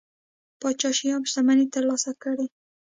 پاچا شیام شتمنۍ ترلاسه کړي.